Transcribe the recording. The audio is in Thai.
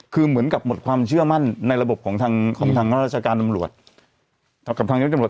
คือเหมือนกับหมดความเชื่อมั่นในระบบของทางของทางราชการอำรวจ